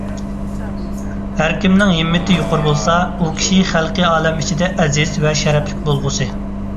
ھەر كىمنىڭ ھىممىتى يۇقىرى بولسا، ئۇ كىشى خەلقى ئالەم ئىچىدە ئەزىز ۋە شەرەپلىك بولغۇسى.